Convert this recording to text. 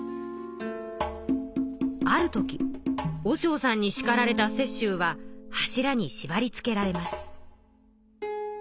ある時和尚さんにしかられた雪舟は柱にしばりつけられます。